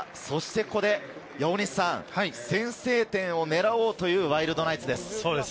ここで先制点を狙おうというワイルドナイツです。